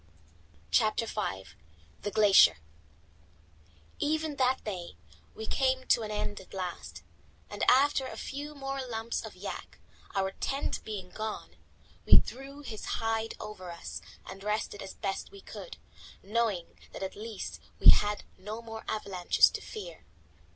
CHAPTER V THE GLACIER Even that day came to an end at last, and after a few more lumps of yak, our tent being gone, we drew his hide over us and rested as best we could, knowing that at least we had no more avalanches to fear.